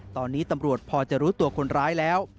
ตอนนี้ตำรวจพอจะรู้ตัวคนร้ายแล้ว